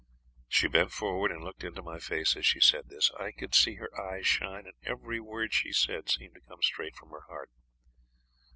She bent forward and looked into my face as she said this. I could see her eyes shine, and every word she said seemed to come straight from her heart.